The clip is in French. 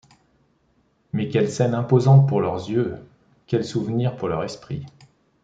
Mais quelle scène imposante pour leurs yeux! quel souvenir pour leur esprit !